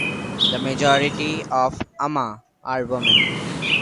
The majority of "ama" are women.